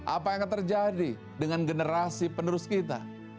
apa yang akan terjadi dengan generasi penerus kita